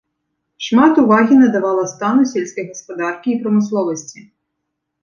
Шмат увагі надавала стану сельскай гаспадаркі і прамысловасці.